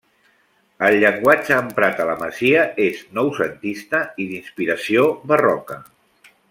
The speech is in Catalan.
El llenguatge emprat a la masia és noucentista i d'inspiració barroca.